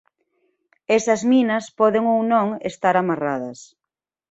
Esas minas poden ou non estar amarradas.